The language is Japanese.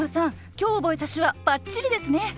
今日覚えた手話バッチリですね！